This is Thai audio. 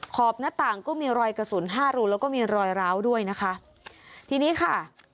ขอบหน้าต่างก็มีรอยกระสุนห้ารูแล้วก็มีรอยร้าวด้วยนะคะทีนี้ค่ะ